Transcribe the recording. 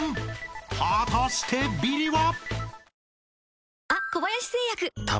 ［果たしてビリは？］